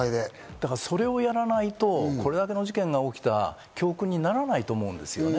それをやらないと、これだけの事件が起きた教訓にならないと思うんです。